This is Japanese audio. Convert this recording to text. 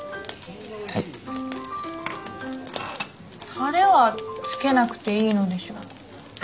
タレはつけなくていいのでしょうか？